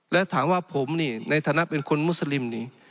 และถามว่าผมนี่ในฐานะเป็นคนมุสลิมนี่